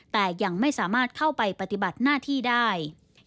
แต่ยังไม่สามารถเข้าไปปฏิบัติหน้าที่ได้